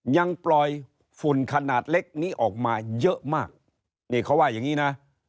ยังปล่อยฝุ่นขนาดเล็กนี้ออกมาเยอะมากนี่เขาว่าอย่างงี้นะ